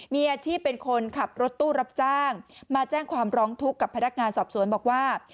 มีอาชีพเป็นคนขับรถตู้รับจ้างมาแจ้งความร้องทุกข์กับพนักงานสอบสวนบอกว่า